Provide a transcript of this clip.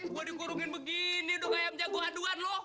gua dikurungin begini kayak menjaga kanduan lo